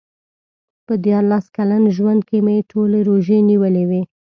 په دیارلس کلن ژوند کې مې ټولې روژې نیولې وې.